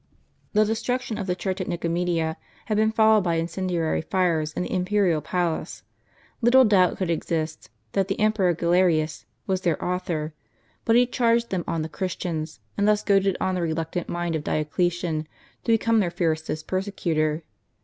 The destruction of the church at JSTicomedia had been followed by incendiary fires in the imperial palace. Little doubt could exist that the Emperor Galerius was their author; but he charged them on the Christians ; and thus goaded on the reluctant mind of Dioclesian to become their fiercest perse cutor.